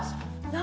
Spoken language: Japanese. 何？